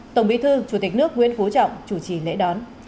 tổng bí thư chủ tịch nước nguyễn phú trọng chủ trì lễ đón